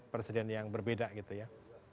presiden yang berbeda gitu ya